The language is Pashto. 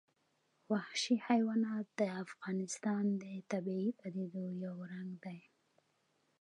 وحشي حیوانات د افغانستان د طبیعي پدیدو یو رنګ دی.